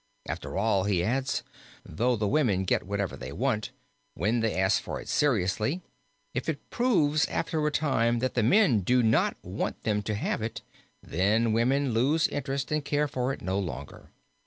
After all, he adds, though the women get whatever they want, when they ask for it seriously, if it proves after a time that the men do not want them to have it, then women lose interest and care for it no longer.